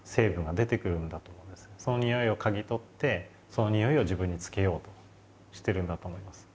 そのにおいをかぎ取ってそのにおいを自分につけようとしてるんだと思います。